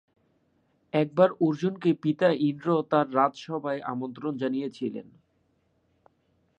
একবার অর্জুনকে পিতা ইন্দ্র তাঁর রাজসভায় আমন্ত্রণ জানিয়েছিলেন।